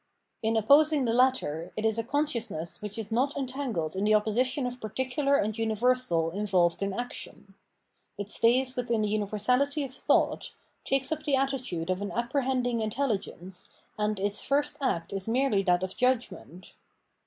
In opposing the latter, it is a consciousness which is not entangled in the opposition of particular and universal involved in action. It stays within the universahty of thought, takes up the attitude of an apprehen^g intelhgence, and its first act is merely that of judgment.